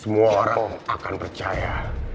semua orang akan percaya